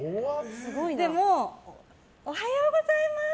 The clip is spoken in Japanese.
でも、おはようございます！